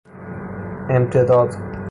امتداد